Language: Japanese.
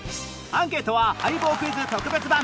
アンケートは『相棒』クイズ特別版。